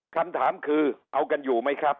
คำถามคือเอากันอยู่ไหมครับ